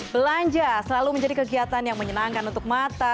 belanja selalu menjadi kegiatan yang menyenangkan untuk mata